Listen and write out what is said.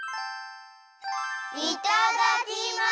いただきます！